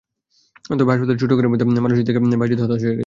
তবে হাসপাতালের ছোট ঘরের মধ্যে মানুষ দেখে দেখে বায়েজিদ হতাশ হয়ে যাচ্ছে।